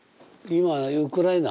今ウクライナ？